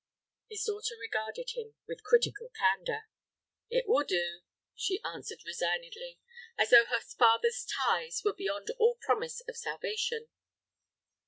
His daughter regarded him with critical candor. "It will do," she answered, resignedly, as though her father's ties were beyond all promise of salvation.